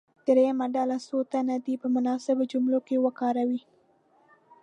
دریمې ډلې څو تنه دې په مناسبو جملو کې وکاروي.